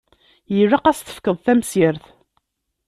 Ilaq ad s-tefkeḍ tamsirt.